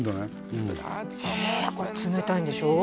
うんえこれ冷たいんでしょう？